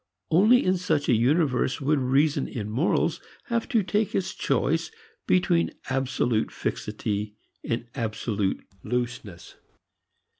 Only in such a universe would reason in morals have to take its choice between absolute fixity and absolute looseness.